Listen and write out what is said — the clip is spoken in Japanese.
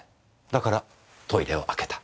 だからトイレを開けた。